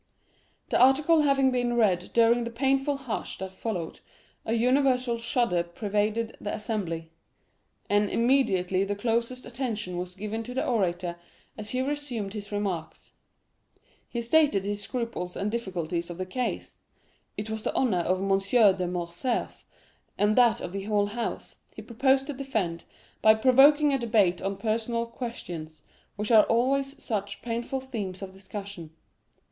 The article having been read during the painful hush that followed, a universal shudder pervaded the assembly, and immediately the closest attention was given to the orator as he resumed his remarks. He stated his scruples and the difficulties of the case; it was the honor of M. de Morcerf, and that of the whole House, he proposed to defend, by provoking a debate on personal questions, which are always such painful themes of discussion.